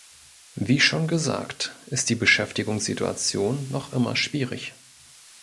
Wie schon gesagt, ist die Beschäftigungssituation noch immer schwierig.